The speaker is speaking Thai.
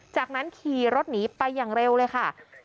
จากนั้นขี่รถหนีไปอย่างเร็วเลยค่ะ